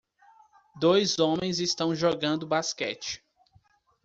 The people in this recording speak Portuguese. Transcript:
Dois homens estão jogando basquete